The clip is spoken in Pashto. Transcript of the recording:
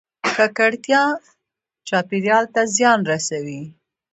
ککړتیا چاپیریال ته زیان رسوي